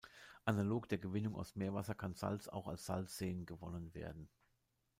Analog der Gewinnung aus Meerwasser kann Salz auch aus Salzseen gewonnen werden.